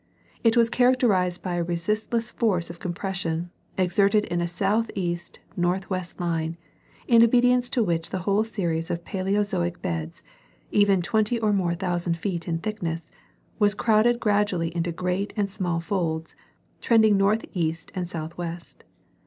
It was characterized by a resistless force of compression, exerted in a southeast northwest line, in obedience to which the whole series of Paleozoic beds, even twenty or more thousand feet in thickness, was crowded gradually into great and small folds, trending north east and southwest.